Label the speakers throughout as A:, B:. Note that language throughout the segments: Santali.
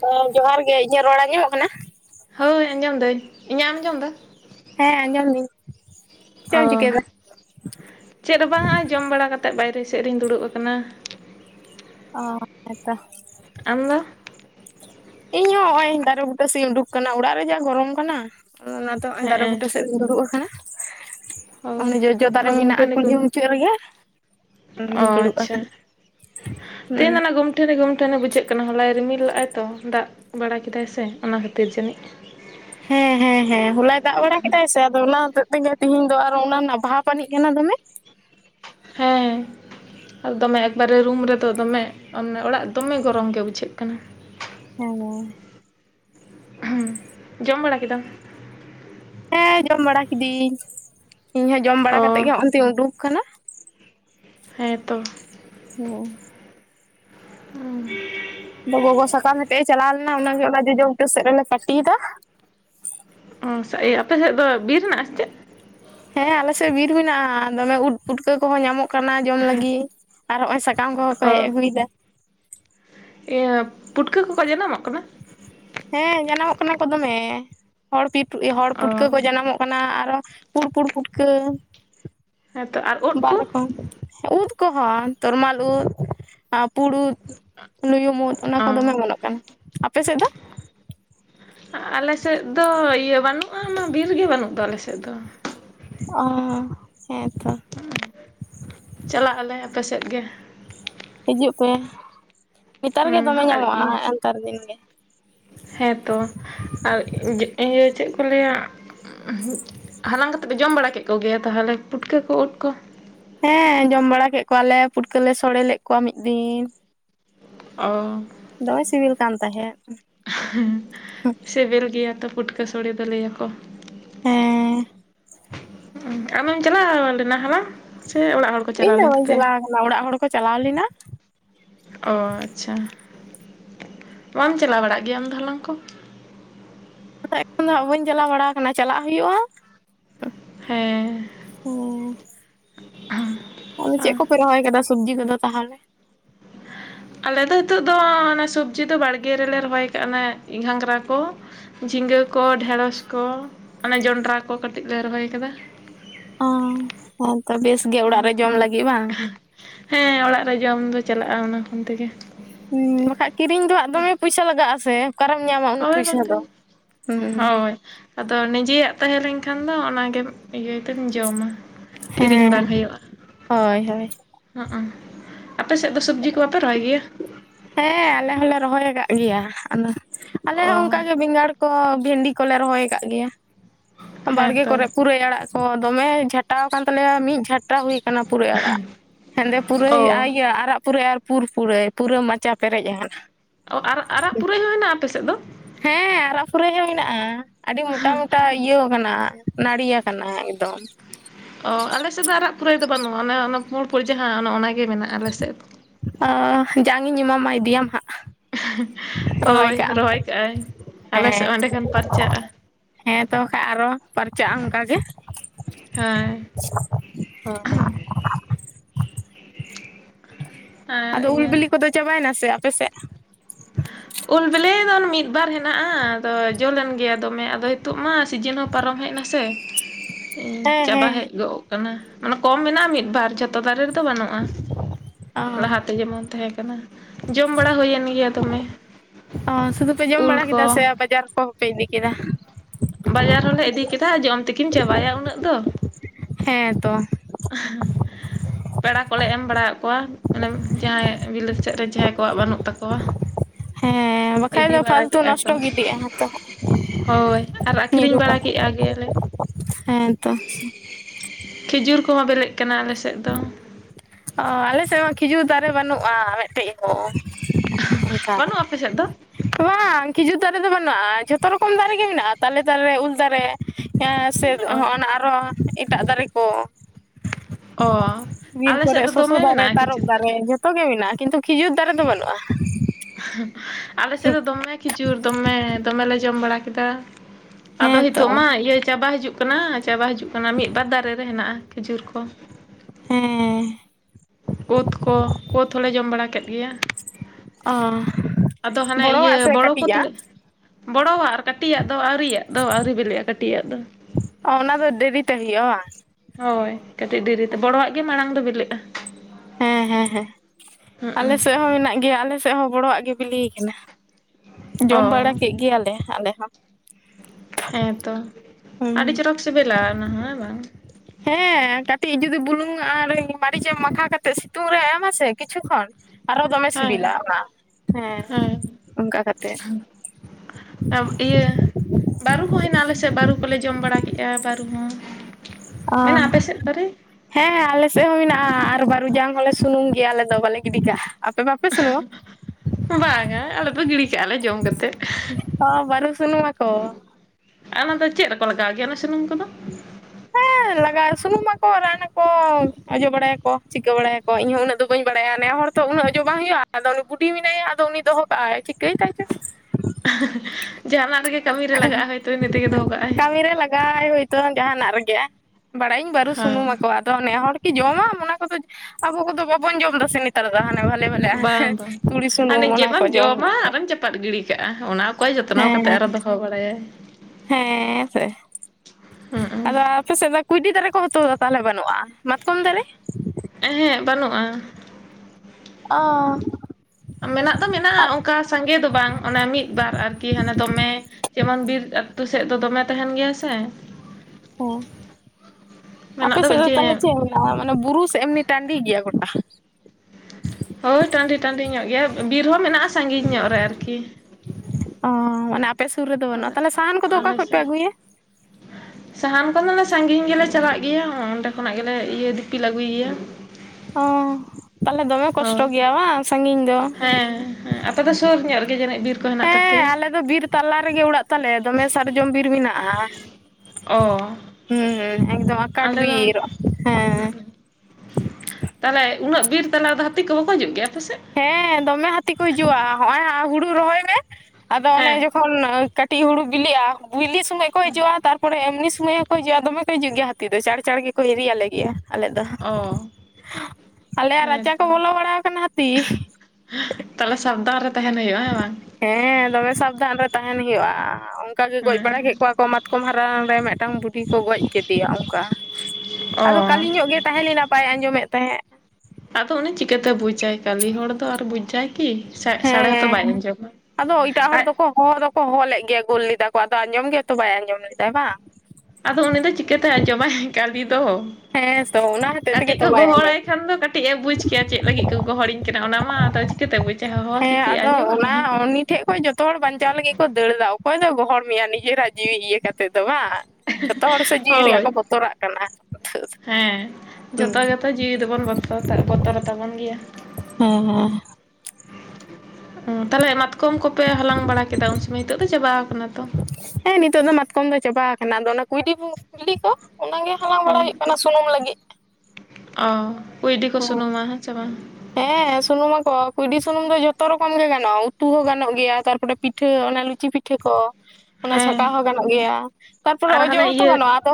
A: ᱛᱚ ᱡᱚᱦᱟᱨ ᱜᱮ ᱤᱧᱟᱹᱜ ᱨᱚᱲ ᱟᱸᱚᱢᱚᱜ ᱠᱟᱱᱟ?
B: ᱦᱳᱭ ᱟᱸᱡᱚᱢ ᱫᱟᱹᱧ ᱾ ᱤᱧᱟᱹᱜ ᱟᱸᱡᱚᱢ ᱮᱫᱟ?
A: ᱦᱮᱸ ᱟᱸᱡᱚᱢ ᱫᱤᱧ ᱾
B: ᱚ ᱪᱮᱫ ᱦᱚᱸ ᱵᱟᱝ ᱟ, ᱡᱚᱢ ᱵᱟᱲᱟ ᱠᱟᱛᱮᱫ ᱵᱟᱭᱨᱮ ᱥᱮᱫ ᱨᱤᱧ ᱫᱩᱲᱩᱵ ᱟᱠᱟᱱᱟ
A: ᱚ ᱱᱮᱛᱟᱨ
B: ᱟᱢ ᱫᱚ?
A: ᱤᱧ ᱦᱚᱸ ᱱᱚᱜ ᱚᱭ ᱫᱟᱨᱮ ᱵᱩᱴᱟᱹ ᱥᱤᱧ ᱩᱰᱩᱠ ᱠᱟᱱᱟ, ᱚᱲᱟᱜ ᱨᱮ ᱡᱟ ᱜᱚᱨᱚᱢ ᱠᱟᱱᱟ ᱚᱱᱟ ᱛᱚ ᱦᱚᱜᱼᱚᱭ ᱫᱟᱨᱮ
B: ᱦᱮᱸ
A: ᱵᱩᱴᱟᱹ ᱥᱮᱫ ᱫᱩᱲᱩᱵ ᱟᱠᱟᱱᱟ᱾
B: ᱚ
A: ᱚᱱᱮ ᱡᱚᱡᱚ ᱫᱟᱨᱮ
B: ᱚᱱᱟ
A: ᱢᱮᱱᱟᱜᱼᱟ
B: ᱜᱩᱢᱴᱷᱟᱹᱱᱤ ᱠᱚ
A: ᱠᱩᱞᱦᱤ ᱢᱩᱪᱟᱹᱫ ᱨᱮᱜᱮ
B: ᱚ
A: ᱤᱧ ᱫᱩᱲᱩᱵ
B: ᱟᱪᱪᱷᱟ,
A: ᱟᱠᱟᱱᱟ ᱦᱩᱸ
B: ᱛᱮᱦᱤᱧ ᱫᱚ ᱜᱩᱢ ᱴᱟᱹᱱᱤ ᱨᱮ ᱜᱚᱢᱠᱮ ᱵᱩᱡᱷᱟᱹᱜ ᱠᱟᱱᱟ ᱦᱚᱞᱟᱭ ᱨᱤᱢᱤᱞ ᱞᱟᱜᱟᱭ ᱛᱚ ᱫᱟᱜ ᱵᱟᱲᱟ ᱠᱮᱫᱟᱭ ᱥᱮ ᱚᱱᱟ ᱠᱷᱟᱹᱛᱤᱨ ᱡᱟᱹᱱᱤᱡ
A: ᱦᱮᱸ
B: [unintelligible]
A: ᱦᱮᱸ ᱦᱮᱸ ᱦᱚᱞᱟᱭ ᱫᱟᱜ ᱵᱟᱲᱟ ᱠᱮᱫᱟᱭ ᱥᱮ ᱟᱫᱚ ᱚᱱᱟ ᱦᱚᱛᱮᱜ ᱛᱮᱜᱮ ᱛᱤᱦᱤᱧ ᱫᱚ ᱟᱨ ᱚᱱᱟ ᱨᱮᱱᱟᱜ ᱵᱟᱦᱟ ᱯᱟᱱᱤ ᱠᱟᱱᱟ ᱫᱚᱢᱮ,
B: ᱦᱮᱸ, ᱟᱨ ᱫᱚᱢᱮ ᱮᱠᱵᱟᱨᱮ ᱨᱩᱢ ᱨᱮᱫᱚ ᱫᱚᱢᱮ ᱚᱲᱟᱜ ᱫᱚᱢᱮ ᱜᱚᱨᱚᱢ ᱜᱮ ᱵᱩᱡᱷᱟᱹᱜ ᱠᱟᱱᱟ᱾
A: ᱦᱮᱸᱻ
B: ᱦᱩᱸ ᱡᱚᱢ ᱵᱟᱲᱟ ᱠᱮᱫᱟᱢ?
A: ᱦᱮᱸ ᱡᱚᱢ ᱵᱟᱲᱟ ᱠᱤᱫᱮᱧ, ᱤᱧ ᱦᱚᱸ ᱡᱚᱢ
B: ᱚ
A: ᱵᱟᱲᱟ ᱠᱟᱛᱮᱜ ᱜᱮ ᱦᱚᱜᱚᱱᱛᱮᱧ ᱩᱰᱩᱠ ᱟᱠᱟᱱᱟ᱾
B: ᱦᱮᱸ ᱛᱚ,
A: [unintelligible]
B: [unintelligible]
A: ᱟᱫᱚ ᱜᱚᱜᱚ ᱥᱟᱠᱟᱢ ᱦᱮᱴᱮᱡ ᱮ ᱪᱟᱞᱟᱣ ᱞᱮᱱᱟ ᱚᱱᱟᱜᱮ ᱚᱱᱟ ᱡᱚᱡᱚᱢ ᱩᱴᱟᱹ ᱥᱮᱫ ᱨᱮᱞᱮ ᱯᱴᱤᱭᱮᱫᱟ᱾
B: ᱚ ᱤᱭᱟᱹ ᱟᱯᱮ ᱥᱮᱫ ᱫᱚ ᱵᱤᱨ ᱥᱮ ᱪᱮᱫ?
A: ᱦᱮᱸ ᱟᱞᱮᱥᱮᱫ ᱵᱤᱨ ᱢᱮᱱᱟᱜᱼᱟ, ᱫᱚᱢᱮ ᱩᱫ ᱯᱩᱴᱠᱟᱹ ᱠᱚᱦᱚᱸ ᱧᱟᱢᱚᱜ ᱠᱟᱱᱟ ᱡᱚᱢ ᱞᱟᱹᱜᱤᱫ, ᱟᱨ ᱦᱚᱸᱜ ᱚᱚᱭ ᱥᱟᱠᱟᱢ ᱠᱚᱦᱚᱸ ᱠᱚ
B: ᱚ
A: ᱦᱮᱡ ᱟᱹᱜᱩᱭᱮᱫᱟ᱾
B: ᱤᱭᱟᱹ ᱯᱩᱴᱠᱟᱹ ᱠᱚᱠᱚ ᱡᱟᱱᱟᱢᱚᱜ ᱠᱟᱱᱟ?
A: ᱦᱮᱸ ᱡᱟᱱᱟᱢᱚᱜ ᱠᱟᱱᱟ ᱠᱚ ᱫᱚᱢᱮ, ᱦᱚᱲ ᱯᱤᱴ ᱦᱚᱲ ᱯᱩᱴᱠᱟᱹ
B: ᱚ
A: ᱠᱚ ᱡᱟᱱᱟᱢᱚᱜ ᱠᱟᱱᱟ, ᱟᱨᱚ ᱯᱩᱲ ᱯᱩᱲ ᱯᱷᱩᱴᱠᱟᱹ,
B: ᱦᱮᱸ ᱛᱚ ᱟᱨ [unintelligible]
A: ᱵᱟᱨ ᱨᱚᱠᱚᱢ ᱩᱫᱽ ᱠᱚᱦᱚᱸ ᱛᱚᱨᱢᱟᱞ ᱩᱫ ᱟᱨ ᱯᱩᱸᱲ ᱩᱫᱽ, ᱞᱩᱭᱩᱢ ᱩᱫ ᱚᱱᱟ
B: ᱚ
A: ᱠᱚ ᱫᱚᱢᱮ ᱚᱢᱚᱱᱚᱜ ᱠᱟᱱᱟ᱾ ᱟᱯᱮ ᱥᱮᱫ ᱫᱚ?
B: ᱟᱞᱮ ᱥᱮᱫ ᱫᱚ ᱤᱭᱟᱹ ᱵᱟᱹᱱᱩᱜᱼᱟ ᱢᱟ ᱵᱤᱨᱜᱮ ᱵᱟᱹᱱᱩᱜ ᱫᱚ ᱟᱞᱮ ᱥᱮᱫ ᱫᱚ᱾
A: ᱚ ᱦᱮᱸᱛᱚ᱾
B: ᱪᱟᱞᱟᱜ ᱟᱞᱮ ᱟᱯᱮ ᱥᱮᱫ ᱜᱮ᱾
A: ᱦᱤᱡᱩᱜ ᱯᱮ ᱱᱮᱛᱟᱨ ᱜᱮ
B: ᱦᱮᱸ
A: ᱫᱚᱢᱮ
B: ᱟᱨ
A: ᱧᱟᱢᱚᱜᱼᱟ,
B: ᱤᱭᱟᱹ
A: ᱱᱮᱛᱟᱨ ᱫᱤᱱ ᱜᱮ᱾
B: ᱦᱮᱸᱛᱚ ᱟᱨ ᱤᱭᱟᱹ ᱪᱮᱫ ᱠᱚ ᱞᱟᱹᱭᱟ ᱦᱟᱞᱟᱝ ᱠᱟᱛᱮᱫ ᱯᱮ ᱡᱚᱢ ᱵᱟᱲᱟ ᱠᱮᱫ ᱠᱚᱜᱮᱭᱟ ᱛᱟᱦᱚᱞᱮ ᱯᱩᱴᱠᱟᱹ ᱠᱚ ᱩᱫ ᱠᱚ?
A: ᱦᱮᱸ ᱡᱚᱢ ᱵᱟᱲᱟ ᱠᱮᱫ ᱠᱚᱣᱟᱞᱮ ᱯᱩᱴᱠᱟᱹᱞᱮ ᱥᱚᱲᱮ ᱞᱮᱫ ᱠᱚᱣᱟ ᱢᱤᱫ ᱫᱤᱱ᱾
B: ᱚᱻ
A: ᱫᱚᱢᱮ ᱥᱤᱵᱤᱞ ᱠᱟᱱ ᱛᱟᱦᱮᱸᱫ᱾
B: ᱥᱤᱵᱤᱞ ᱜᱮᱭᱟ ᱛᱚ ᱯᱷᱩᱴᱠᱟᱹ ᱥᱲᱮ ᱫᱚ ᱞᱟᱹᱭᱟᱠᱚ᱾ ᱟᱢᱮᱢ ᱪᱟᱞᱟᱜᱼᱞᱮᱱᱟ ᱦᱟᱞᱟᱝ ᱥᱮ ᱚᱲᱟᱜ ᱦᱚᱲ ᱠᱚ
A: ᱤᱧ
B: ᱪᱟᱞᱟᱣ
A: ᱫᱚ
B: ᱞᱮᱱ
A: ᱵᱟᱹᱧ
B: ᱛᱟᱯᱮᱭᱟ
A: ᱪᱟᱞᱟᱣ ᱟᱠᱟᱱᱟ ᱚᱲᱟᱜ ᱦᱚᱲ ᱠᱚ ᱪᱟᱞᱟᱣ ᱞᱮᱱᱟ,
B: ᱚ ᱟᱪᱪᱷᱟ ᱵᱟᱢ ᱪᱟᱞᱟᱣ ᱵᱟᱲᱟᱜ ᱜᱮᱭᱟᱢ ᱟᱢ ᱫᱚ ᱦᱟᱞᱟᱝ ᱠᱚ?
A: ᱮᱠᱷᱚᱱ ᱫᱚ ᱦᱟᱸᱜ ᱵᱟᱹᱧ ᱪᱟᱞᱟᱣ ᱵᱟᱲᱟ ᱟᱠᱟᱱᱟ ᱪᱟᱞᱟᱜ ᱦᱩᱭᱩᱜᱼᱟ᱾ ᱚᱻ
B: ᱟᱨᱸ [unintelligible]
A: ᱟᱫᱚ ᱪᱮᱫ ᱠᱚᱯᱮ ᱨᱚᱦᱚᱭ ᱟᱠᱟᱫᱟ ᱥᱚᱵᱽᱡᱤ ᱠᱚᱫᱚ ᱛᱟᱦᱚᱞᱮ?
B: ᱟᱞᱮ ᱫᱚ ᱱᱤᱛᱚᱜ ᱫᱚ ᱚᱱᱟ ᱥᱚᱵᱽᱡᱤ ᱫᱚ ᱵᱟᱲᱜᱮ ᱨᱮᱞᱮ ᱨᱚᱦᱚᱭ ᱠᱟᱜ ᱜᱷᱟᱸᱝᱜᱨᱟ ᱠᱚ᱾ ᱡᱷᱤᱸᱜᱟᱹ ᱠᱚ ᱰᱷᱮᱸᱲᱚᱥ ᱠᱚ ᱚᱱᱟᱮ ᱡᱚᱱᱰᱨᱟ ᱠᱚ ᱠᱟᱹᱴᱤᱡ ᱞᱮ ᱨᱚᱦᱚᱭ ᱠᱟᱫᱟ᱾
A: ᱚ ᱦᱮᱸᱛᱚ ᱵᱮᱥ ᱜᱮ ᱚᱲᱟᱜ ᱨᱮ ᱡᱚᱢ ᱞᱟᱹᱜᱤᱫ ᱵᱟᱝ?
B: ᱦᱮᱸ ᱚᱲᱟᱜ ᱨᱮ ᱡᱚᱢ ᱫᱚ ᱪᱟᱞᱟᱜᱼᱟ ᱚᱱᱟ ᱠᱷᱚᱱ ᱛᱮᱜᱮ᱾
A: ᱦᱩᱸ ᱵᱟᱠᱷᱟ ᱠᱤᱨᱤᱧ ᱫᱚ ᱦᱟᱜ ᱫᱚᱢᱮ ᱯᱚᱭᱥᱟ ᱞᱟᱜᱟᱜᱼᱟ ᱥᱮ, ᱚᱠᱟᱨᱮᱢ ᱧᱟᱢᱟ ᱩᱱᱟᱹᱜ
B: ᱦᱳᱭ
A: ᱯᱚᱭᱥᱟ ᱫᱚ᱾
B: ᱵᱟᱝᱠᱷᱟᱱ
A: ᱦᱮᱸ,
B: ᱦᱳᱭ ᱟᱫᱚ ᱱᱤᱡᱮᱭᱟᱜ ᱛᱟᱦᱮᱸ ᱞᱮᱱᱠᱷᱟᱱ ᱫᱚ ᱚᱱᱟᱜᱮᱢ ᱤᱭᱟᱹᱭ ᱛᱮᱢ ᱡᱚᱢᱟ ᱠᱤᱨᱤᱧ
A: ᱦᱮᱸ
B: ᱵᱟᱝ ᱦᱚᱭᱳᱜᱼᱟ᱾
A: ᱦᱳᱭ ᱦᱳᱭ
B: ᱦᱚᱸᱜ ᱚ ᱟᱯᱮ ᱥᱮᱫ ᱫᱚ ᱥᱚᱵᱡᱤ ᱠᱚ ᱵᱟᱯᱮ ᱨᱚᱦᱚᱭ ᱜᱮᱭᱟ?
A: ᱦᱮᱸ ᱟᱞᱮ ᱦᱚᱸᱞᱮ ᱨᱚᱦᱚᱭ ᱟᱠᱟᱫ ᱜᱮᱭᱟ, ᱟᱫᱚ ᱟᱞᱮ
B: ᱚ
A: ᱦᱚᱸ ᱚᱱᱠᱟᱜ ᱜᱮ ᱵᱮᱸᱜᱟᱲ ᱠᱚ ᱵᱷᱮᱱᱰᱤ ᱠᱚᱞᱮ ᱨᱚᱦᱚᱭ ᱠᱟᱜ ᱜᱮᱭᱟ, ᱵᱟᱲᱜᱮ
B: ᱦᱮᱸᱛᱚ
A: ᱠᱚᱨᱮ ᱯᱩᱨᱟᱹᱭ ᱟᱲᱟᱜ ᱠᱚ ᱫᱚᱢᱮ ᱡᱷᱟᱴᱟᱣ ᱟᱠᱟᱱ ᱛᱟᱞᱮᱭᱟ ᱢᱤᱫ ᱡᱷᱟᱴᱟ ᱦᱩᱭ ᱟᱠᱟᱱᱟ ᱯᱩᱨᱟᱹᱭ ᱟᱲᱟᱜ ᱦᱮᱸᱫᱮ ᱯᱩᱨᱟᱹᱭ
B: ᱚ
A: ᱟ ᱤᱭᱟᱹ ᱟᱨᱟᱜ ᱯᱩᱨᱟᱹᱭ ᱟᱨ ᱯᱩᱨ ᱯᱩᱨᱟᱹᱭ ᱯᱩᱨᱟᱹ ᱪᱟ ᱯᱮᱨᱮᱡ ᱟᱱ
B: ᱚ ᱟᱨ ᱟᱨᱟᱜ ᱯᱩᱨᱟᱹᱭ ᱦᱚᱸ ᱦᱮᱱᱟᱜᱼᱟ ᱟᱯᱮᱥᱮᱫ ᱫᱚ
A: ᱦᱮᱸ ᱟᱨᱟᱜ ᱯᱩᱨᱟ. ᱭ ᱦᱚᱸ ᱢᱮᱱᱟᱜᱼᱟ ᱟᱹᱰᱤ ᱢᱚᱴᱟ ᱢᱚᱴᱟ ᱤᱭᱟᱹᱣ ᱟᱠᱟᱱᱟ ᱱᱟᱹᱲᱤᱭᱟ ᱠᱟᱱᱟ ᱮᱠᱫᱚᱢ
B: ᱚ ᱟᱞᱮᱥᱮᱫ ᱫᱚ ᱟᱨᱟᱜ ᱯᱩᱨᱟᱹᱭ ᱫᱚ ᱵᱟᱹᱱᱩᱜᱼᱟ ᱚᱱᱮ ᱚᱱᱟ ᱯᱩᱬ ᱯᱯᱩᱬ ᱡᱟᱦᱟᱸ ᱚᱱᱮ ᱚᱱᱟᱜᱮ ᱢᱮᱱᱟᱜᱼᱟ ᱟᱞᱮ ᱥᱮᱫ ᱫᱚ
A: ᱚ ᱡᱟᱝ ᱤᱧ ᱮᱢᱟᱢᱟ ᱤᱫᱤᱭᱟᱢ ᱦᱟᱸᱜ
B: ᱦᱳᱭ ᱨᱚᱦᱚᱭ ᱠᱟᱜ ᱟᱹᱧ ᱟᱞᱮ ᱥᱮᱫ
A: ᱦᱮᱸ
B: ᱦᱚ ᱮᱸᱰᱮ ᱠᱷᱚᱱ ᱯᱟᱨᱪᱟᱜᱼᱟ
A: ᱦᱮᱸ ᱛᱚ ᱵᱟᱠᱷᱟ ᱟᱨᱚ ᱯᱟᱨᱪᱟᱜᱼᱟ ᱚᱝᱠᱟ ᱜᱮ
B: ᱦᱮᱸ
A: [unintelligible] ᱱᱟᱦᱟᱜ
B: ᱟᱨ
A: ᱟᱫᱚ ᱩᱞ
B: ᱤᱭᱟᱹ
A: ᱵᱤᱞᱤ ᱠᱚᱫᱚ ᱪᱟᱵᱟᱭᱮᱱᱟ ᱥᱮ ᱟᱯᱮᱥᱮᱫ
B: ᱩᱞ ᱵᱤᱞᱤ ᱫᱚ ᱢᱤᱫ ᱵᱟᱨ ᱦᱮᱱᱟᱜᱼᱟ ᱟᱫᱚ ᱡᱚ ᱞᱮᱱ ᱜᱮᱭᱟ ᱫᱚᱢᱮ ᱟᱫᱚ ᱦᱤᱛᱳᱜ ᱢᱟ ᱥᱤᱡᱤᱱ ᱦᱚᱸ ᱯᱟᱨᱚᱢ ᱦᱮᱡ ᱱᱟ ᱥᱮ
A: ᱦᱮᱸ
B: ᱪᱟᱵᱟ
A: ᱦᱮᱸ
B: ᱦᱮᱡ ᱜᱚᱜ ᱠᱟᱱᱟ ᱢᱟᱱᱮ ᱠᱚᱢ ᱢᱮᱱᱟᱜᱼᱟ ᱢᱤᱫ ᱵᱟᱨ ᱡᱷᱚᱛᱚ ᱫᱟᱨᱮ ᱨᱮ ᱛᱚ ᱵᱟᱹᱱᱩᱜᱼᱟ
A: ᱚ
B: ᱞᱟᱦᱟᱛᱮ ᱡᱮᱢᱚᱱ ᱛᱟᱦᱮᱸ ᱠᱟᱱᱟ ᱡᱚᱢ ᱵᱟᱲᱟ ᱦᱩᱭᱮᱱ ᱜᱮᱭᱟ ᱫᱚᱢᱮ
A: ᱚ ᱥᱩᱫᱩ ᱯᱮ ᱡᱚᱢ
B: ᱩᱞ
A: ᱵᱟᱲᱟ
B: ᱠᱚ
A: ᱠᱮᱫᱟ ᱥᱮ ᱟᱨ ᱵᱟᱡᱟᱨ ᱠᱚᱦᱚᱸ ᱯᱮ ᱤᱫᱤ ᱠᱮᱫᱟ
B: ᱵᱟᱡᱟᱨ ᱦᱚᱸᱞᱮ ᱤᱫᱤ ᱠᱮᱫᱟ ᱡᱚᱢ ᱛᱮᱠᱤᱢ ᱪᱟᱵᱟᱭᱟ ᱩᱱᱟᱹᱜ ᱫᱚ
A: ᱦᱮᱸ ᱛᱚ
B: [unintelligible] ᱯᱮᱲᱟ ᱠᱚᱞᱮ ᱮᱢ ᱵᱟᱲᱟᱣᱟᱜ ᱠᱚᱣᱟ ᱢᱟᱱᱮ ᱡᱟᱦᱟᱸᱭ ᱵᱤᱞᱟᱹᱛ ᱥᱮᱫ ᱨᱮ ᱡᱟᱦᱟᱸᱭ ᱠᱚᱣᱟᱜ ᱵᱟᱹᱱᱩᱜ ᱛᱟᱠᱚᱣᱟ
A: ᱦᱮᱸ ᱵᱟᱠᱷᱟᱡ
B: ᱤᱫᱤ
A: ᱫᱚ
B: ᱵᱟᱲᱟ
A: ᱯᱷᱟᱞᱛᱩ
B: ᱠᱮᱫᱼᱟ ᱠᱚ
A: ᱱᱚᱥᱴᱚ ᱜᱤᱫᱤ ᱟ ᱦᱟᱸᱜ ᱛᱚ
B: ᱦᱳᱭ ᱟᱨ ᱟᱹᱠᱷᱨᱤᱧ ᱵᱟᱲᱟ ᱠᱮᱫᱼᱟ ᱜᱮ ᱞᱮ
A: ᱦᱮᱸᱛᱚ
B: ᱠᱷᱤᱡᱩᱨ ᱠᱚᱦᱚᱸ ᱵᱮᱞᱮᱜ ᱠᱟᱱᱟ ᱟᱞᱮ ᱥᱮᱫ ᱫᱚ
A: ᱚᱻ ᱟᱞᱮ ᱥᱮᱫ ᱢᱟ ᱠᱷᱤᱡᱩᱨ ᱫᱟᱨᱮ ᱵᱟᱹᱱᱩᱜᱼᱟ ᱢᱮᱜᱴᱮᱡ ᱚᱸ ᱚᱱᱠᱟ ᱫᱚ
B: ᱵᱟᱹᱱᱩᱜᱼᱟ ᱟᱯᱮ ᱥᱮᱫ ᱫᱚ
A: ᱵᱟᱝ ᱠᱷᱤᱡᱩᱨ ᱫᱟᱨᱮ ᱫᱚ ᱵᱟᱹᱱᱩᱜᱼᱟ ᱡᱷᱚᱛᱚ ᱨᱚᱠᱚᱢ ᱫᱟᱨᱮ ᱜᱮ ᱢᱮᱱᱟᱜᱼᱟ ᱛᱟᱞᱮ ᱫᱟᱨᱮ ᱩᱞ ᱫᱟᱨᱮ ᱟᱸ ᱥᱮᱫ
B: ᱚ
A: ᱦᱚᱸᱜᱼᱚ ᱱᱟ ᱟᱨᱚ ᱮᱴᱟᱜ ᱫᱟᱨᱮ ᱠᱚ
B: ᱚ
A: ᱵᱤᱨ
B: ᱟᱞᱮ
A: ᱠᱚᱨᱮ
B: ᱥᱮᱫ ᱫᱚ
A: ᱥᱚᱥᱚ
B: ᱫᱚᱢᱮ
A: ᱫᱟᱨᱮ
B: ᱢᱮᱱᱟᱜᱼᱟ
A: ᱛᱟᱨᱚᱵ
B: ᱠᱷᱤᱡᱩᱨ
A: ᱫᱟᱨᱮ ᱡᱷᱚᱛᱚ ᱜᱮ ᱢᱮᱱᱟᱜᱼᱟ ᱠᱤᱱᱛᱩ ᱠᱷᱤᱡᱩᱨ ᱫᱟᱨᱮ ᱫᱚ ᱵᱟᱹᱱᱩᱜᱼᱟ
B: ᱟᱞᱮ ᱥᱮᱫ ᱫᱚ ᱫᱚᱢᱮ ᱠᱷᱤᱡᱩᱨ ᱫᱚᱢᱮ ᱫᱚᱢᱮ ᱞᱮ ᱡᱚᱢ ᱵᱟᱲᱟ ᱠᱮᱫᱟ ᱟᱫᱚ
A: ᱦᱮᱸ ᱛᱚ
B: ᱦᱤᱛᱚᱜ ᱢᱟ ᱤᱭᱟᱹ ᱪᱟᱵᱟ ᱦᱤᱡᱩᱜ ᱠᱟᱱᱟ ᱪᱟᱵᱟ ᱦᱤᱡᱩᱜ ᱠᱟᱱᱟ ᱢᱤᱫᱵᱟᱨ ᱫᱟᱨᱮ ᱨᱮ ᱦᱮᱱᱟᱜᱼᱟ ᱠᱷᱤᱡᱩᱨ ᱠᱚ
A: ᱦᱮᱸ
B: ᱠᱳᱛ ᱠᱚ ᱠᱳᱛ ᱦᱚᱸᱞᱮ ᱡᱚᱢ ᱵᱟᱲᱟ ᱠᱮᱫ ᱜᱮᱭᱟ
A: ᱚ
B: ᱟᱫᱚ ᱦᱟᱱᱮ ᱤᱭᱟᱹ
A: ᱵᱚᱲᱚᱣᱟᱜ ᱥᱮ
B: ᱵᱚᱲᱚ
A: ᱠᱟᱹᱴᱤᱡᱟᱜ
B: ᱠᱳᱛᱟᱞᱮ ᱵᱚᱲᱚᱣᱟᱜ ᱟᱨ ᱠᱟᱹᱴᱤᱡ-ᱟᱜ ᱫᱚ ᱟᱹᱣᱨᱤᱭᱟᱜ ᱫᱚ ᱟᱹᱣᱨᱤ ᱵᱤᱞᱤᱜᱼᱟ ᱠᱟᱹᱴᱤᱡ-ᱟᱜ ᱫᱚ
A: ᱚ ᱚᱱᱟ ᱫᱚ ᱰᱮᱨᱤ ᱛᱮ ᱦᱩᱭᱩᱜᱼᱟ ᱵᱟᱝ
B: ᱦᱳᱭ ᱠᱟᱹᱴᱤᱡ ᱰᱮᱨᱤ ᱛᱮ ᱵᱚᱲᱚᱣᱟᱜ ᱜᱮ ᱢᱟᱲᱟᱝ ᱫᱚ ᱵᱮᱞᱮᱜᱼᱟ
A: ᱦᱮᱸ ᱦᱮᱸ ᱦᱮᱸ
B: ᱦᱩᱸᱜ ᱩᱸ
A: ᱟᱞᱮᱥᱮᱫ ᱦᱚᱸ ᱢᱮᱱᱟᱜ ᱜᱮᱭᱟ ᱟᱞᱮᱥᱮᱫ ᱦᱚᱸ ᱵᱚᱲᱚᱣᱟᱜ ᱜᱤ ᱵᱤᱞᱤᱭ ᱠᱟᱱᱟ ᱡᱚᱢ
B: ᱚ
A: ᱵᱟᱲᱟ ᱠᱮᱫ ᱜᱮᱭᱟᱞᱮ ᱟᱞᱮ ᱦᱚᱸ
B: ᱦᱮᱸ ᱛᱚ ᱟᱹᱰᱤ
A: ᱦᱩᱸ
B: ᱪᱚᱨᱚᱠ ᱥᱮᱵᱮᱞᱟ ᱚᱱᱟ ᱦᱚᱸ ᱦᱮᱸ ᱵᱟᱝ
A: ᱦᱮᱸ ᱠᱟᱹᱴᱤᱡ ᱡᱩᱫᱤ ᱵᱩᱞᱩᱝ ᱟᱨ ᱢᱟᱹᱨᱤᱪ ᱮᱢ ᱢᱟᱠᱷᱟᱣ ᱠᱟᱛᱮᱫ ᱥᱤᱛᱩᱝ ᱨᱮ ᱮᱢᱟᱥᱮ ᱠᱤᱪᱷᱩ ᱠᱷᱚᱱ ᱟᱨᱚ ᱫᱚᱢᱮ ᱥᱤᱵᱤᱞᱟ
B: ᱦᱮᱸ
A: ᱚᱱᱟ ᱦᱮᱸ ᱚᱝᱠᱟ ᱠᱟᱛᱮ
B: ᱤᱭᱟᱹ ᱵᱟᱹᱨᱩ ᱦᱚᱸ ᱦᱮᱱᱟᱜ-ᱟ ᱟᱞᱮ ᱥᱮᱫ ᱵᱟᱹᱨᱩ ᱠᱚᱞᱮ ᱡᱚᱢ ᱵᱟᱲᱟ ᱠᱮᱜᱼᱟ ᱵᱟᱹᱨᱩ ᱦᱚᱸ
A: ᱚ
B: ᱢᱮᱱᱟᱜᱼᱟ ᱟᱯᱮ ᱥᱮᱫ ᱫᱟᱨᱮ
A: ᱦᱮᱸ ᱦᱮᱸ ᱟᱞᱮ ᱥᱮᱫ ᱦᱚᱸ ᱢᱮᱱᱟᱜᱼᱟ ᱟᱨ ᱵᱟᱨᱩ ᱡᱟᱝ ᱦᱚᱸᱞᱮ ᱥᱩᱱᱩᱢ ᱜᱮᱭᱟ ᱟᱞᱮ ᱫᱚ ᱵᱟᱞᱮ ᱜᱤᱰᱤ ᱠᱟᱜᱼᱟ ᱟᱯᱮ ᱵᱟᱯᱮ ᱥᱩᱱᱩᱢᱟ
B: ᱵᱟᱝ-ᱟ ᱟᱞᱮᱫᱚ ᱜᱤᱲᱤ ᱠᱟᱜᱼᱟ ᱞᱮ ᱡᱚᱢ ᱠᱟᱛᱮ
A: ᱚ ᱵᱟᱹᱨᱩ ᱥᱩᱱᱩᱢ ᱟᱠᱚ
B: ᱟᱨ ᱚᱱᱟᱫᱚ ᱪᱮᱫ ᱨᱮᱠᱚ ᱞᱟᱜᱟᱣ ᱜᱮᱭᱟ ᱚᱱᱟ ᱥᱩᱱᱩᱢ ᱠᱚᱫᱚ
A: ᱞᱟᱜᱟ ᱟᱨ ᱥᱩᱱᱩᱢ ᱢᱟᱠᱚ ᱨᱟᱱ ᱟᱠᱚ ᱚᱡᱚᱜ ᱵᱟᱲᱟ ᱭᱟᱠᱚ ᱪᱤᱠᱟᱹ ᱵᱟᱲᱟ ᱭᱟᱠᱚ ᱤᱧᱦᱚᱸ ᱩᱱᱟᱹᱜ ᱫᱚ ᱵᱟᱹᱧ ᱵᱟᱲᱟᱭᱟ ᱱᱮ ᱦᱚᱲ ᱛᱚ ᱩᱱᱟᱹᱜ ᱚᱡᱚᱢ ᱵᱟᱝ ᱦᱩᱭᱩᱜᱼᱟ, ᱟᱫᱚ ᱩᱱᱤ ᱵᱩᱰᱤ ᱢᱮᱱᱟᱭᱟ ᱟᱫᱚ ᱩᱱᱤ ᱫᱚᱦᱚ ᱠᱟᱜᱼᱟᱭ ᱪᱷᱤᱠᱟᱹᱭ ᱛᱟᱭ ᱪᱚ᱾
B: ᱡᱟᱦᱟᱸᱱᱟᱜ ᱨᱮᱜᱮ ᱠᱟᱹᱢᱤᱨᱮ ᱞᱟᱜᱟᱜᱼᱟ ᱦᱳᱭᱛᱟ ᱤᱱᱟᱹ ᱛᱮᱜᱮ ᱫᱚᱦᱚ ᱠᱟᱜᱼᱟᱭ᱾
A: ᱞᱟᱜᱟᱣᱟᱭ ᱦᱳᱭᱛᱚ ᱡᱟᱦᱟᱱᱟᱜ ᱨᱮᱜᱮ ᱵᱟᱲᱟᱭᱤᱧ ᱵᱟᱹᱨᱩ
B: ᱦᱮᱸ
A: ᱥᱩᱱᱩᱢᱟᱠᱚ, ᱟᱫᱟ ᱚᱱᱮ ᱦᱚᱲ ᱠᱤ ᱡᱚᱢᱟᱢ ᱚᱱᱟ ᱠᱚᱫᱚ ᱟᱵᱚ ᱠᱚᱫᱚ ᱵᱟᱵᱚᱱ ᱡᱚᱢ ᱫᱟᱥᱮ ᱱᱤᱛ
B: ᱵᱟᱝ ᱵᱟᱝ ᱟᱨ
A: ᱥᱩᱱᱩᱢ ᱚᱱᱟ
B: ᱱᱤᱡᱮᱡᱟᱢ
A: ᱠᱚ ᱡᱚᱢ
B: ᱡᱚᱢᱟ
A: ᱦᱩᱭᱩᱜ
B: ᱟᱨᱮᱢ ᱪᱟᱯᱟᱫ ᱜᱤᱰᱤ ᱠᱟᱜᱼᱟ, ᱚᱱᱟ ᱚᱠᱚᱭ ᱡᱚᱛᱱᱚ ᱠᱟᱛᱮᱫ
A: ᱦᱮᱸ
B: ᱟᱨᱚ ᱫᱚᱦᱚ ᱵᱟᱲᱟᱭᱟ᱾
A: ᱦᱮᱸ ᱥᱮ
B: ᱦᱩᱸ
A: ᱟᱫᱚ ᱟᱯᱮ ᱥᱮᱫ ᱫᱚ ᱠᱩᱭᱰᱤ ᱫᱟᱨᱮ ᱠᱚ ᱦᱚᱸᱛᱚ ᱛᱟᱦᱚᱞᱮ ᱵᱟᱹᱱᱩᱜᱼᱟ? ᱢᱟᱛᱠᱚᱢ ᱫᱟᱨᱮ
B: ᱮᱸᱦᱮᱜ ᱵᱟᱹᱱᱩᱜᱼᱟ᱾
A: ᱚᱻ
B: ᱢᱮᱱᱟᱜ ᱫᱚ ᱢᱮᱱᱟᱜᱼᱟ ᱚᱱᱠᱟ ᱥᱟᱸᱜᱮ ᱫᱚ ᱵᱟᱝ ᱚᱱᱮ ᱢᱤᱫ ᱵᱟᱨ ᱟᱨᱠᱤ ᱦᱟᱱᱮ ᱫᱚᱢᱮ ᱡᱮᱢᱚᱱ ᱵᱤᱨ ᱟᱹᱛᱩ ᱥᱮᱫ ᱫᱚ ᱫᱚᱢᱮ ᱛᱟᱦᱮᱱ ᱜᱮᱭᱟ ᱥᱮ,
A: ᱚᱸ
B: ᱢᱮᱱᱟᱜ
A: ᱟᱯᱮ ᱥᱮᱫ ᱫᱚ ᱛᱟᱦᱚᱞᱮ
B: ᱡᱮ
A: ᱪᱮᱫ ᱢᱮᱱᱟᱜᱼᱟ? ᱢᱟᱱᱮ ᱵᱩᱨᱩ ᱥᱮ ᱮᱢᱱᱤ ᱴᱟᱺᱰᱤ ᱜᱮᱭᱟ ᱜᱚᱴᱟ?
B: ᱦᱳᱭ ᱴᱟᱺᱰᱤ ᱴᱟᱺᱰᱤ ᱧᱚᱜ ᱜᱮᱭᱟ ᱵᱤᱨ ᱦᱚᱸ ᱢᱮᱱᱟᱜᱼᱟ ᱥᱟᱺᱜᱤᱧ ᱧᱚᱜ ᱨᱮ ᱟᱨᱠᱤ᱾
A: ᱚᱻ ᱢᱟᱱᱮ ᱟᱯᱮ ᱥᱩᱨ ᱨᱮᱫᱚ ᱵᱟᱹᱱᱩᱜᱟ
B: ᱟᱫᱚ
A: ᱛᱟᱞᱦᱮ ᱥᱟᱦᱟᱱ ᱠᱚᱫᱚ ᱚᱠᱟ
B: ᱟᱞᱮ
A: ᱠᱷᱚᱡ ᱯᱮ
B: ᱥᱮᱫ
A: ᱟᱹᱜᱩᱭᱟ?
B: [inaudible] ᱥᱟᱦᱟᱱ ᱠᱚᱫᱚᱞᱮ ᱥᱟᱺᱜᱤᱧ ᱜᱮᱞᱮ ᱪᱟᱞᱟᱜ ᱜᱮᱭᱟ ᱚᱸᱰᱮ ᱠᱷᱚᱱᱟᱜ ᱜᱮᱞᱮ ᱤᱭᱟᱹ ᱫᱤᱯᱤᱞ ᱟᱹᱜᱩᱭ ᱜᱮᱭᱟ᱾
A: ᱚ ᱛᱟᱦᱞᱮ ᱫᱚᱢᱮ ᱠᱚᱥᱴᱚ
B: ᱦᱳᱭ
A: ᱜᱮᱭᱟ ᱵᱟᱝ ᱥᱟᱺᱜᱤᱧ ᱫᱚ?
B: ᱦᱮᱸ ᱦᱮᱸ ᱟᱯᱮ ᱫᱚ ᱥᱩᱨ ᱧᱚᱜ ᱨᱮᱜᱮ ᱡᱟᱹᱱᱤᱡ ᱵᱤᱨ ᱠᱚ ᱦᱮᱱᱟᱜ
A: ᱦᱮᱸ
B: ᱛᱟᱯᱮᱭᱟ?
A: ᱟᱞᱮ ᱫᱚ ᱵᱤᱨ ᱛᱟᱞᱟ ᱨᱮᱜᱮ ᱚᱲᱟᱜ ᱛᱟᱞᱮ ᱫᱚᱢᱮ ᱥᱟᱨᱡᱚᱢ ᱵᱤᱨ ᱢᱮᱱᱟᱜ-ᱟ᱾
B: ᱚ
A: ᱦᱩᱸ ᱦᱩᱸ ᱮᱠᱫᱚᱢ ᱟᱠᱟᱴ
B: ᱟᱞᱮ
A: ᱵᱤᱨ ᱦᱮᱸ,
B: ᱛᱟᱦᱞᱮ ᱩᱱᱟᱹᱜ ᱵᱤᱨ ᱛᱟᱞᱟ ᱨᱮᱫᱚ ᱦᱟᱹᱛᱤ ᱠᱚ ᱵᱟᱠᱚ ᱦᱤᱡᱩᱜ ᱜᱮᱭᱟ ᱟᱯᱮ ᱥᱮᱫ?
A: ᱦᱮᱸ ᱫᱚᱢᱮ ᱦᱟᱸᱛᱤ ᱠᱚ ᱦᱤᱡᱩᱜ-ᱟ, ᱦᱚᱸᱜ-ᱚᱭ ᱦᱟᱸᱜ ᱨᱚᱦᱚᱭ ᱢᱮ ᱟᱫᱚ ᱚᱱᱮ
B: ᱦᱮᱸ
A: ᱡᱚ ᱠᱷᱚᱱ ᱠᱟᱹᱴᱤᱡ ᱦᱩᱲᱩ ᱵᱤᱞᱤᱜ-ᱟ, ᱵᱤᱞᱤᱜ ᱥᱳᱢᱳᱚᱭ ᱠᱚ ᱦᱤᱡᱩᱜ-ᱟ ᱛᱟᱨᱯᱚᱨᱮ ᱮᱢᱱᱤ ᱥᱳᱢᱚᱭ ᱦᱚᱸ ᱠᱚ ᱦᱤᱡᱩᱜ-ᱟ ᱫᱚᱢᱮ ᱠᱚ ᱦᱤᱡᱩᱜ ᱜᱮᱭᱟ, ᱦᱟᱹᱛᱤ ᱫᱚ ᱪᱟᱲ ᱪᱟᱲ ᱜᱮᱠᱚ ᱦᱤᱨᱤ ᱟᱞᱮ ᱜᱮᱭᱟ᱾ ᱟᱞᱮ ᱫᱚ,
B: ᱚ
A: ᱟᱞᱮᱭᱟᱜ ᱨᱟᱪᱟ ᱠᱚ
B: ᱦᱮᱸᱛᱚ
A: ᱵᱚᱞᱚ ᱵᱟᱲᱟᱣ ᱠᱟᱱᱟ ᱦᱟᱛᱤ᱾
B: ᱛᱟᱦᱞᱮ ᱥᱟᱵᱽᱫᱟᱱ ᱨᱮ ᱛᱟᱦᱮᱟᱸᱱ ᱦᱩᱭᱩᱜ-ᱟ ᱦᱮᱸ ᱵᱟᱝ?
A: ᱦᱮᱸ ᱫᱚᱢᱮ ᱥᱟᱵᱫᱷᱟᱱ ᱨᱮ ᱛᱟᱦᱮᱱ ᱦᱩᱭᱩᱜᱼᱟ, ᱚᱱ ᱠᱟ ᱜᱮ ᱜᱚᱡ
B: ᱦᱮᱸ
A: ᱵᱟᱲᱟ ᱠᱮᱫ ᱠᱚᱣᱟ ᱠᱚ ᱢᱟᱛᱠᱚᱢ ᱦᱟᱨᱟᱝ ᱨᱮ ᱢᱮᱜᱴᱟᱝ ᱵᱩᱰᱷᱤ ᱠᱚ ᱜᱚᱡ ᱠᱮᱫᱮᱭᱟ ᱚᱝᱠᱟ᱾
B: ᱚ
A: ᱟᱫᱚ ᱠᱟᱞᱤ ᱧᱚᱜ ᱜᱮ ᱛᱟᱦᱮᱸᱞᱮᱱᱟ ᱵᱟᱭ ᱟᱸᱡᱚᱢᱮᱫ ᱛᱟᱦᱮᱸᱫ,
B: ᱟᱫᱚ ᱩᱱᱤ ᱪᱤᱠᱟᱹᱛᱮ ᱵᱩᱡᱟᱭ ᱠᱟᱹᱞᱤ ᱦᱚᱲ ᱫᱚ ᱟᱨ ᱵᱩᱡᱟᱭ ᱠᱤ ᱥᱟᱡ ᱥᱟᱲᱮ ᱦᱚᱸᱛᱚ ᱵᱟᱭ ᱟᱸᱡᱚᱢᱟ ᱟᱡ
A: ᱦᱚᱦᱚ ᱫᱚᱠᱚ ᱦᱚᱦᱚ ᱞᱮᱜ ᱜᱮᱭᱟ ᱜᱳᱞ ᱞᱮᱫᱟ ᱠᱚ ᱟᱫᱚ ᱟᱸᱡᱚᱢ ᱜᱮᱛᱚ ᱵᱟᱭ ᱟᱸᱡᱚᱢ ᱞᱮᱫᱟᱭ ᱵᱟᱝ?
B: ᱟᱫᱚ ᱩᱱᱤ ᱫᱚ ᱪᱤᱠᱟᱹᱛᱮ ᱟᱡᱸᱡᱚᱢᱟᱭ ᱠᱟᱹᱞᱤ ᱫᱚ,
A: ᱦᱮᱸ ᱛᱚ ᱚᱱᱟ ᱦᱚᱛᱮᱡ ᱛᱮᱜᱮ
B: ᱠᱟᱹᱴᱤᱡ
A: ᱛᱚ
B: ᱠᱚ
A: ᱵᱟᱭ ᱟᱸᱡᱚᱢ
B: ᱜᱚᱦᱚᱲᱟᱭ
A: ᱞᱮᱫᱟ᱾
B: ᱠᱷᱟᱱ ᱫᱚ ᱠᱟᱹᱴᱤᱡ ᱮ ᱵᱩᱪ ᱠᱮᱭᱟ, ᱪᱮᱫ ᱞᱟᱹᱜᱤᱫ ᱠᱚ ᱜᱚᱦᱚᱲᱤᱧ ᱠᱟᱱᱟ ᱚᱱᱟ ᱢᱟ ᱟᱫᱚ ᱪᱤ ᱠᱟᱹᱛᱮ ᱵᱩᱡᱟᱭ ᱦᱚᱦᱚᱣᱟ
A: ᱦᱮᱸ
B: ᱛᱤᱠᱤ
A: ᱟᱫᱚ ᱚᱱᱟ
B: ᱟᱡᱸᱚᱢᱟᱭ?
A: ᱩᱱᱤ ᱴᱷᱮᱡ ᱠᱷᱚᱡ ᱡᱚᱛᱚ ᱦᱚᱲ ᱵᱟᱧᱪᱟᱣ ᱞᱟᱹᱜᱤᱫ ᱠᱚ ᱫᱟᱹᱲ ᱫᱟ ᱚᱠᱚᱭ ᱫᱚᱭ ᱜᱚᱦᱚᱲ ᱢᱮᱭᱟ ᱱᱤᱡᱮᱨᱟᱜ ᱡᱤᱣᱤ ᱤᱭᱟᱹ ᱠᱟᱛᱮᱫ ᱫᱚ ᱵᱟᱝ? ᱡᱷᱚᱛᱚ ᱦᱚᱲ ᱥᱮᱫ ᱡᱤᱣᱤ ᱨᱮᱭᱟᱜ
B: ᱦᱳᱭ
A: ᱠᱚ ᱵᱚᱛᱚᱨᱟᱜ ᱠᱟᱱᱟ᱾
B: ᱦᱮᱸ ᱡᱷᱚᱛᱚ
A: ᱱᱤᱛᱚᱜ
B: ᱜᱮᱛᱚ ᱡᱤᱣᱤ ᱫᱚᱵᱚᱱᱚ ᱵᱚᱛᱚ ᱛᱟᱜ ᱵᱚᱛᱚ ᱨᱟᱛᱟ ᱵᱚᱱ ᱜᱮᱭᱟ᱾
A: ᱦᱮᱸ ᱦᱮᱸ᱾
B: ᱛᱟᱦᱞᱮ ᱢᱟᱛᱠᱚᱢ ᱠᱚᱯᱮ ᱦᱟᱞᱟᱝ ᱵᱟᱲᱟ ᱠᱮᱫᱟ? ᱩᱱ ᱥᱚᱢᱚᱭ ᱱᱷᱦᱤᱛᱚᱜ ᱫᱚ ᱪᱟᱵᱟᱣ ᱠᱟᱱᱟ ᱛᱚ?
A: ᱦᱮᱸ ᱱᱤᱛᱚᱜ ᱫᱚ ᱢᱟᱛᱠᱚᱢ ᱫᱚ ᱪᱟᱵᱟ ᱟᱠᱟᱱᱟ ᱟᱫᱚ ᱚᱱᱟ ᱠᱩᱭᱰᱤ ᱠᱩ ᱠᱩᱭᱰᱤ ᱠᱚ, ᱚᱱᱟ ᱜᱮ ᱦᱟᱞᱟᱝ ᱵᱟᱲᱟ
B: ᱦᱮᱸ
A: ᱦᱩᱭᱩᱜ ᱠᱟᱱᱟ ᱥᱩᱱᱩᱢ ᱞᱟᱹᱜᱤᱫ᱾
B: ᱚ ᱠᱩᱭᱰᱤ ᱠᱚ ᱥᱩᱱᱩ ᱢᱟ ᱦᱮᱸ ᱥᱮ ᱵᱟᱝ?
A: ᱦᱮᱸ ᱥᱩᱱᱩᱢᱟ ᱠᱚ ᱠᱩᱭᱰᱤ ᱥᱩᱱᱩᱢ ᱫᱚ ᱡᱷᱚᱛᱚ ᱨᱚᱠᱚᱢ ᱜᱮ ᱜᱟᱱᱜ-ᱟ ᱩᱛᱩ ᱦᱚᱸ ᱜᱟᱱᱚᱜ ᱜᱮᱭᱟ ᱛᱟᱨᱯᱚᱨᱮ ᱯᱤᱴᱷᱟᱹ ᱚᱱᱟ ᱞᱩᱪᱤ ᱯᱤ ᱴᱷᱟᱹ ᱠᱚ ᱚᱱᱟ ᱪᱷᱟᱠᱟ
B: ᱦᱮᱸ
A: ᱦᱚᱸ ᱜᱟᱱᱚᱜ ᱜᱮᱭᱟ ᱛᱟᱨᱯᱚᱨ
B: ᱟᱨ
A: ᱚᱡᱚᱜ
B: ᱦᱟᱱᱮ
A: ᱦᱚᱸᱛᱚ
B: ᱤᱭᱟᱹ
A: ᱜᱟᱱᱚᱜᱟ, ᱟᱫᱚ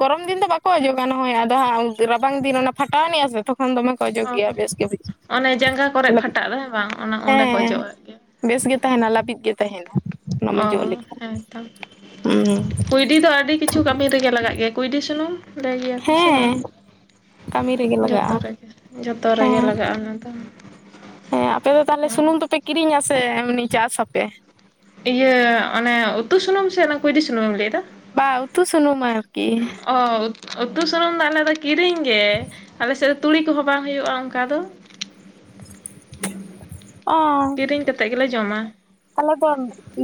A: ᱜᱚᱨᱚᱢ ᱫᱤᱱ ᱫᱚ ᱵᱟᱠᱚ ᱚᱡᱚᱜᱟ ᱱᱚ ᱚᱭ ᱟᱫᱚ ᱦᱟᱸᱜ ᱨᱟᱵᱟᱝ ᱫᱤᱱ ᱚᱱᱟ ᱯᱷᱟᱴᱟᱣᱱᱤᱡ ᱟᱥᱮ ᱛᱚᱠᱷᱚᱱ ᱫᱚᱢᱮ ᱠᱚ ᱚᱡᱳᱜᱽ
B: ᱚ
A: ᱜᱮᱭᱟ ᱵᱮᱥ ᱜᱮ
B: ᱚᱱᱮ ᱡᱟᱸᱜᱟ ᱠᱚᱨᱮᱜ
A: ᱵᱩᱡᱷᱟᱹᱜ
B: ᱯᱷᱟᱴᱟᱜ ᱫᱚ ᱦᱮᱸ ᱵᱟᱝ ᱚᱱᱟ ᱚᱸᱰᱮ ᱠᱚ
A: ᱦᱮᱸ᱾
B: ᱚᱡᱚᱜ ᱟᱜ ᱜᱮᱭᱟ
A: ᱵᱮᱥ ᱜᱮ ᱛᱟᱸᱦᱮᱱᱟ ᱞᱟᱹᱵᱤᱫ ᱜᱮ ᱛᱟᱸᱦᱮᱱᱟ᱾
B: ᱚ ᱦᱮᱸᱛᱚ
A: ᱦᱩᱸ
B: ᱠᱩᱭᱰᱤ ᱫᱚ ᱟᱹᱰᱤ ᱠᱤᱪᱷᱩ ᱠᱟᱹᱢᱤ ᱨᱮᱜᱮ ᱞᱟᱜᱟᱜ ᱜᱮᱭᱟ ᱠᱩᱭᱰᱤ ᱥᱩᱱᱩᱢ ᱞᱟᱸᱭ ᱜᱮᱭᱟ ᱠᱚ ᱥᱮ ᱵᱟᱝ?
A: ᱦᱮᱸ ᱠᱟᱹᱢᱤ ᱨᱮᱜᱮ
B: ᱡᱚᱛᱚ
A: ᱞᱟᱜᱟᱜᱼᱟ
B: ᱨᱮᱜᱮ ᱡᱚᱛᱚ ᱨᱮᱜᱮ
A: ᱦᱮᱸ
B: ᱞᱟᱜᱟ-ᱟ ᱚᱱᱟ ᱫᱚ
A: ᱦᱮᱸ ᱟᱯᱮ ᱫᱚ ᱛᱟᱦᱞᱮ ᱥᱩᱱᱩᱢ ᱫᱚᱯᱮ ᱠᱤᱨᱤᱧᱟ ᱥᱮ ᱮᱢᱱᱤ ᱪᱟᱥ ᱟᱯᱮ?
B: ᱤᱭᱟᱹ ᱚᱱᱮ ᱩᱛᱩ ᱥᱩᱱᱩᱢ ᱥᱮ ᱚᱱᱟ ᱠᱩᱭᱰᱤ ᱥᱩᱱᱩᱢᱮᱢ ᱞᱟᱹᱭ ᱫᱟ?
A: ᱵᱟ ᱩᱛᱩ ᱥᱩᱱᱩᱢ ᱟᱨᱠᱤ,
B: ᱚ ᱩᱛᱩ ᱥᱩᱱᱩᱢ ᱫᱚ ᱟᱞᱮ ᱫᱚ ᱠᱤᱨᱤᱧ ᱜᱮ, ᱟᱞᱮ ᱥᱮᱫ ᱫᱚ ᱛᱩᱲᱤ ᱠᱚᱦᱚ ᱵᱟᱝ ᱦᱩᱭᱩᱜ-ᱟ ᱚᱝᱠᱟ ᱫᱚ᱾
A: ᱚ
B: ᱠᱤᱨᱤᱧ ᱠᱟᱛᱮᱫ ᱜᱮᱞᱮ ᱡᱚᱢᱟ
A: ᱛᱟᱞᱮ ᱛᱚ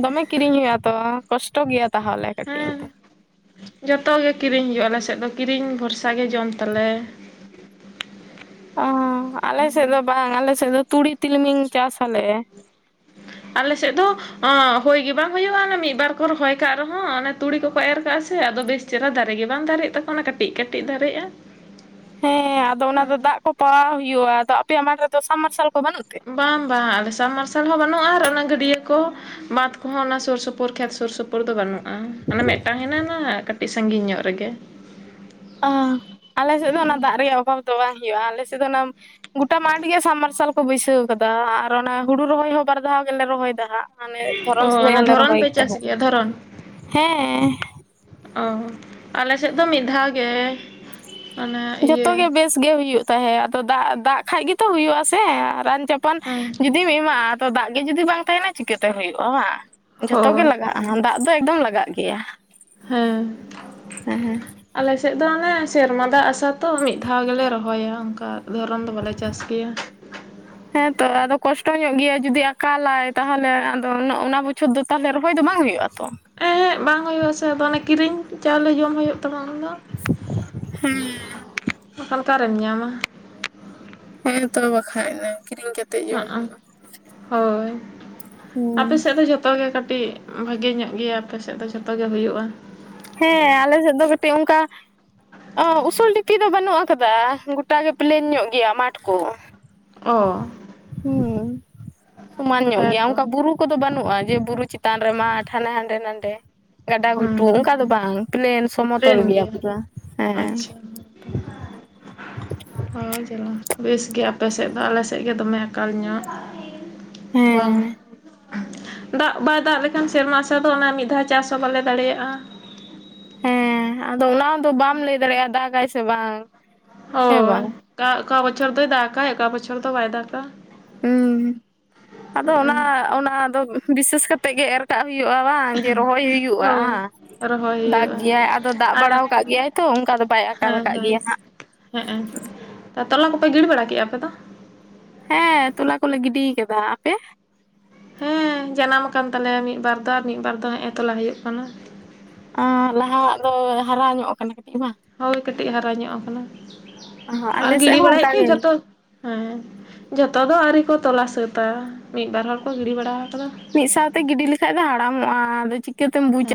A: ᱫᱚᱢᱮ ᱠᱤᱨᱤᱧ ᱦᱩᱭᱩᱜ ᱟ ᱛᱚ ᱠᱚᱥᱴᱚ ᱜᱮᱭᱟ ᱛᱟᱦᱟᱞᱮ ᱠᱟᱹᱴᱤᱡ
B: ᱦᱮᱸ
A: ᱮᱱᱛᱮ
B: ᱡᱚᱛᱚ ᱜᱮ ᱠᱤᱨᱤᱧ ᱦᱩᱭᱩᱜ ᱟᱞᱮ ᱥᱮᱫ ᱫᱚ ᱠᱤᱨᱤᱧ ᱵᱷᱚᱨᱥᱟ ᱜᱮ ᱡᱚᱢ ᱛᱟᱞᱮ᱾
A: ᱚ ᱟᱞᱮ ᱥᱮᱫ ᱫᱚ ᱵᱟᱝ ᱟᱞᱮ ᱥᱮᱫ ᱫᱚ ᱛᱩᱲᱤ ᱛᱤᱞᱢᱤᱧ ᱪᱟᱥ ᱟᱞᱮ᱾
B: ᱟᱞᱮ ᱥᱮᱫ ᱫᱚᱼ ᱦᱳᱭ ᱜᱮ ᱵᱟᱝ ᱦᱩᱭᱩᱟ ᱚᱱᱮ ᱢᱤᱫ ᱵᱟᱨ ᱠᱚ ᱨᱚᱦᱚᱭ ᱠᱟᱜ ᱨᱮᱦᱚᱸ ᱚᱱᱮ ᱛᱩᱲᱤ ᱠᱚᱠᱚ ᱮᱨ ᱠᱟᱜ-ᱟ ᱥᱮ ᱟᱫᱚ ᱵᱮᱥᱼ ᱪᱮᱨᱟ ᱫᱟᱨᱮᱜᱮ ᱵᱟᱝ ᱫᱟᱨᱮᱜ ᱛᱟᱠᱚ ᱚᱱᱟ ᱠᱟᱹᱴᱤᱡ ᱠᱟᱹᱴᱤᱡ ᱫᱟᱨᱮᱜ-ᱟ᱾
A: ᱦᱮᱸ ᱟᱫᱚ ᱚᱱᱟ ᱫᱚ ᱫᱟᱜ ᱠᱚ ᱯᱟᱣᱟᱣ ᱦᱩᱭᱩᱜᱼᱟ ᱟᱫᱚ ᱟᱯᱮᱭᱟᱜ ᱢᱟᱴ ᱨᱮᱫᱚ ᱥᱟᱢ ᱢᱟᱨᱥᱟᱞ ᱠᱚ ᱵᱟᱹᱱᱩᱜ ᱛᱮ?
B: ᱵᱟᱝ ᱵᱟᱝ ᱟᱞᱮ ᱥᱟᱵ ᱢᱟᱨᱥᱟᱞ ᱦᱚᱸ ᱵᱟᱹᱱᱩᱜᱼᱟ ᱟᱨ ᱚᱱᱟ ᱜᱟᱹᱰᱭᱟᱹ ᱠᱚ, ᱵᱟᱸᱫᱽ ᱠᱚᱦᱚᱸ ᱚᱱᱟ ᱥᱩᱨ ᱥᱩᱯᱩᱨ ᱠᱷᱮᱛ ᱥᱩᱨ ᱥᱩᱯᱩᱨ ᱫᱚ ᱵᱟᱹᱱᱩᱜᱼᱟ᱾ ᱢᱤᱫ ᱴᱟᱝ ᱦᱮᱱᱟᱜ ᱟᱱᱟ ᱠᱟᱹᱴᱤᱡ ᱥᱟᱺᱜᱤᱧ ᱧᱚᱜ ᱨᱮᱜᱮ
A: ᱟᱞᱮ ᱥᱮᱫ ᱫᱚ ᱚᱱᱟ ᱫᱟᱜ ᱨᱮᱭᱟᱜ ᱚᱵᱷᱟᱵᱽ ᱫᱚ ᱵᱟᱝ ᱦᱩᱭᱩᱜᱼᱟ ᱟᱞᱮ ᱥᱮᱫ ᱫᱚ ᱚᱱᱟᱼᱼ ᱜᱚᱴᱟ ᱢᱟᱴᱷ ᱜᱮ ᱥᱟᱵᱢᱟᱨᱥᱟᱞ ᱠᱚ ᱵᱟᱹᱭᱥᱟᱹᱣ ᱠᱟᱫᱟ ᱟᱨ ᱚᱱᱮ ᱦᱩᱲᱩ ᱨᱚᱦᱚᱭ ᱦᱚᱸ ᱵᱟᱨ ᱫᱷᱟᱣ ᱜᱮᱞᱮ ᱨᱚᱦᱚᱭ ᱫᱟ ᱦᱟᱸᱜ᱾ ᱢᱟᱱᱮ
B: ᱚ
A: ᱫᱷᱚᱨᱚᱱ ᱥᱚᱢᱚᱭ
B: ᱚᱱᱮ
A: ᱦᱚᱸᱞᱮ
B: ᱫᱷᱚᱨᱚᱱ
A: ᱨᱚᱦᱚᱭ
B: ᱯᱮ
A: ᱮᱫ
B: ᱪᱟᱥ
A: ᱛᱟᱦᱮᱸᱫ
B: ᱜᱮᱭᱟ ᱫᱷᱚᱨᱚᱱ
A: ᱦᱮᱸ
B: ᱚ ᱟᱞᱮ ᱥᱮᱫ ᱫᱚ ᱢᱤᱫ ᱫᱷᱟᱣ ᱜᱮ ᱚᱱᱟ
A: ᱡᱷᱚᱛᱚ
B: ᱤᱭᱟᱹ
A: ᱜᱮ ᱵᱮᱥ ᱜᱮ ᱦᱩᱭᱩᱜ ᱛᱟᱦᱮᱸᱫ ᱟᱫᱚ ᱫᱟᱜ ᱫᱟᱜ ᱠᱷᱟᱡ ᱜᱮᱛᱚ ᱦᱩᱭᱩᱜᱼᱟ ᱥᱮ ᱨᱟᱱ ᱪᱟᱯ- ᱛᱟᱱ
B: ᱦᱮᱸ
A: ᱡᱩᱫᱤᱢ ᱮᱢᱟᱜᱼᱟ ᱫᱟᱜ ᱜᱮ ᱡᱩᱫᱤ ᱵᱟᱝ ᱛᱟᱦᱮᱸᱱᱟ ᱪᱤᱠᱟᱹᱛᱮ ᱦᱩᱭᱩᱜᱼᱟ ᱵᱟᱝ ᱡᱷᱚᱛᱚ ᱜᱮ
B: ᱦᱳᱭ
A: ᱞᱟᱜᱟᱜᱼᱟ᱾ ᱫᱟᱜ ᱫᱚ ᱮᱠᱫᱚᱢ ᱞᱟᱜᱟᱜ ᱜᱮᱭᱟ
B: ᱦᱮᱸ
A: ᱦᱮᱸ
B: ᱟᱞᱮ ᱥᱮᱫ ᱫᱚ ᱚᱱᱮ ᱥᱮᱨᱢᱟ ᱫᱟᱜ ᱟᱥᱟ ᱛᱚ ᱢᱤᱫ ᱫᱷᱟᱣ ᱜᱮᱞᱮ ᱨᱚᱦᱚᱭᱟ ᱚᱱᱠᱟ ᱫᱷᱚᱨᱚᱱ ᱫᱚ ᱵᱟᱞᱮ ᱪᱟᱥ ᱜᱮᱭᱟ᱾ [unintelligible]
A: ᱦᱮᱸ ᱛᱚ ᱟᱫᱚ ᱠᱚᱥᱴᱚ ᱧᱚᱜ ᱜᱮᱭᱟ ᱡᱩᱫᱤ ᱟᱠᱟᱞᱟᱭ ᱛᱟᱦᱚᱞᱮ ᱟᱫᱚ ᱚᱱᱟ ᱵᱚᱪᱷᱚᱨ ᱫᱚᱼᱼ ᱛᱟᱦᱚᱞᱮ ᱨᱚᱦᱚᱭ ᱫᱚ ᱵᱟᱝ ᱦᱩᱭᱩᱜᱼᱟ ᱛᱚ?
B: ᱮᱸᱦᱮᱜ ᱵᱟᱝ ᱦᱩᱭᱩᱜᱼᱟ ᱥᱮ ᱟᱫᱚ ᱚᱱᱮ ᱠᱤᱨᱤᱧ ᱪᱟᱣᱞᱮ ᱡᱚᱢ ᱦᱩᱭᱩᱜ ᱛᱟᱢᱟ ᱚᱱᱟ ᱫᱚ,
A: ᱦᱮᱸ
B: ᱵᱟᱝᱠᱷᱟᱱ ᱚᱠᱟᱨᱮᱢ ᱧᱟᱢᱟ᱾
A: ᱦᱮᱸ ᱛᱚ ᱵᱟᱠᱷᱟᱡ ᱫᱚ
B: ᱦᱚᱸᱜᱼᱚᱭ ᱦᱚᱭ
A: ᱦᱩᱸ
B: ᱟᱯᱮ ᱥᱮᱫ ᱫᱚ ᱡᱚᱛᱚ ᱡᱚᱛᱚ ᱜᱮ ᱠᱟᱹᱴᱤᱡ ᱵᱷᱟᱹᱜᱮ ᱧᱚᱜ ᱜᱮᱭᱟ ᱟᱯᱮ ᱥᱮᱫ ᱫᱚ ᱡᱷᱚᱛᱚ ᱜᱮ ᱦᱩᱭᱩᱜᱼᱟ᱾
A: ᱦᱮᱸ ᱟᱞᱮ ᱥᱮᱫ ᱫᱚ ᱠᱟᱹᱴᱤᱡ ᱚᱱᱠᱟᱼᱼ ᱩᱥᱩᱞ ᱰᱷᱤᱯᱤ ᱫᱚ ᱵᱟᱹᱱᱩᱜ ᱟᱠᱟᱫᱟ ᱜᱚᱴᱟ ᱜᱮ ᱯᱞᱮᱱ ᱧᱚᱜ ᱜᱮᱭᱟ ᱢᱟᱴᱷ ᱠᱚ
B: ᱚ
A: ᱦᱩᱸ ᱥᱚᱢᱟᱱ ᱧᱚᱜ ᱜᱮᱭᱟ
B: ᱦᱮᱸᱛᱚ
A: ᱚᱱᱠᱟ ᱵᱩᱨᱩᱼᱼ ᱠᱚᱫᱚ ᱵᱟᱹᱱᱩᱜᱼᱟ ᱡᱮ ᱵᱩᱨᱩ ᱪᱮᱛᱟᱱ ᱨᱮ ᱢᱟᱴᱷ ᱦᱟᱱᱮ ᱦᱟᱸᱰᱮ ᱱᱟᱰᱮ ᱜᱟᱰᱟ ᱜᱷᱩᱴᱩ,
B: ᱦᱩᱸ
A: ᱫᱚ ᱵᱟᱝ ᱯᱞᱮᱱᱥ
B: ᱯᱞᱮᱱ ᱜᱮᱭᱟ ᱟᱪᱪᱷᱟ ᱚ ᱡᱟᱞᱟ ᱵᱮᱥ ᱜᱮ ᱟᱯᱮ ᱥᱮᱫ ᱫᱚ ᱟᱞᱮ ᱥᱮᱫ ᱜᱮ ᱫᱚᱢᱮ ᱟᱠᱟᱞ ᱧᱚᱜ
A: ᱦᱮᱸ
B: ᱵᱟᱝ ᱫᱟᱜ ᱵᱟᱭ ᱫᱟᱜ ᱞᱮᱠᱷᱟᱱ ᱥᱮᱨᱢᱟ ᱟᱥᱟ ᱫᱚ ᱚᱱᱟ ᱢᱤᱫ ᱫᱷᱟᱣ ᱪᱟᱥ ᱦᱚᱸ ᱵᱟᱞᱮ ᱫᱟᱲᱮᱭᱟᱜᱼᱟ᱾
A: ᱦᱮᱸ ᱟᱫᱚ ᱚᱱᱟ ᱦᱚᱸ ᱫᱚ ᱵᱟᱢ ᱞᱟᱹᱭ ᱫᱟᱲᱮᱭᱟᱜᱼᱟ ᱫᱟᱜᱟᱭ ᱥᱮ ᱵᱟᱝ? ᱦᱮᱸ
B: ᱦᱳᱭ
A: ᱵᱟᱝ
B: ᱚᱠᱟ ᱚᱠᱟ ᱵᱚᱪᱷᱚᱨ ᱫᱚᱭ ᱫᱟᱜᱟᱭ ᱚᱠᱟ ᱵᱚᱪᱷᱚᱨ ᱫᱚ ᱵᱟᱭ ᱫᱟᱜᱟ,
A: ᱦᱩᱸ ᱟᱫᱚ ᱚᱱᱟ
B: ᱦᱩᱸᱜ-ᱩᱸ
A: ᱚᱱᱟ ᱫᱚ ᱵᱤᱥᱮᱥ ᱠᱟᱛᱮᱫ ᱜᱮ ᱮᱨ ᱠᱟᱜ ᱦᱩᱭᱩᱜᱼᱟ ᱵᱟᱝ? ᱡᱮ ᱨᱚᱦᱚᱭ ᱦᱩᱭᱩᱜᱼᱟ
B: ᱦᱳᱭ
A: ᱦᱟᱸ
B: ᱨᱚᱦᱚᱭ
A: ᱫᱟᱜ
B: ᱦᱩᱭᱩᱜᱼᱟ
A: ᱜᱮᱭᱟᱭ ᱟᱫᱚ ᱫᱟᱜ
B: ᱟᱨ
A: ᱵᱟᱲᱟ ᱟᱠᱟᱫ ᱜᱮᱭᱟᱭ ᱛᱚ ᱚᱱᱠᱟ ᱫᱚ ᱵᱟᱭ ᱟᱠᱟᱞ ᱟᱠᱟᱫ ᱜᱮᱭᱟ ᱦᱟᱸᱜ
B: ᱦᱮᱸᱜᱼᱮᱸ ᱾ ᱛᱚᱞᱟ ᱠᱚ ᱯᱮ ᱜᱤᱰᱤ ᱵᱟᱲᱟ ᱠᱮᱜᱼᱟ ᱟᱯᱮ ᱫᱚ?
A: ᱦᱮᱸ ᱛᱚᱞᱟ ᱠᱚᱞᱮ ᱜᱤᱰᱤᱭ ᱠᱟᱫᱟ ᱾ ᱟᱯᱮ?
B: ᱦᱮᱸ ᱡᱟᱱᱟᱢ ᱟᱠᱟᱱ ᱛᱟᱞᱮᱭᱟ ᱢᱤᱫ ᱵᱟᱨ ᱫᱚ, ᱟᱨ ᱢᱤᱫ ᱵᱟᱨ ᱫᱚ ᱦᱮᱸᱜᱼᱮ ᱛᱚᱞᱟ ᱦᱩᱭᱩᱜ ᱠᱟᱱᱟ ᱾
A: ᱚᱸ ᱞᱟᱦᱟᱣᱟᱜ ᱫᱚ ᱦᱟᱨᱟ ᱧᱚᱜ ᱠᱟᱱᱟ ᱠᱟᱹᱴᱤᱡ ᱵᱟᱝ?
B: ᱦᱳᱭ ᱠᱟᱹᱴᱤᱡ ᱦᱟᱨᱟ ᱧᱚᱜ ᱠᱟᱱᱟ,
A: ᱚ
B: ᱟᱨ
A: ᱟᱞᱮ ᱥᱮᱫ
B: ᱜᱤᱲᱤ
A: ᱦᱚᱸ
B: ᱵᱟᱲᱟᱭᱮᱫ
A: ᱚᱱᱠᱟ
B: ᱜᱮ ᱡᱚᱛᱚ ᱦᱮᱸ ᱡᱷᱚᱛᱚ ᱫᱚ ᱟᱹᱣᱨᱤ ᱠᱚ ᱛᱚᱞᱟ ᱥᱟᱹᱛᱟ ᱾ ᱢᱤᱫ ᱵᱟᱨ ᱦᱚᱲ ᱠᱚ ᱜᱤᱰᱤ ᱵᱟᱲᱟᱣ ᱟᱠᱟᱫᱟ ᱾
A: ᱢᱤᱫ ᱥᱟᱶ ᱛᱮ ᱜᱤᱰᱤ ᱞᱮᱠᱷᱟᱡ ᱫᱚ ᱦᱟᱲᱟᱢᱚᱜᱼᱟ, ᱟᱫᱚ ᱪᱤᱠᱟᱹᱛᱮᱢ ᱵᱩᱡᱟ ᱾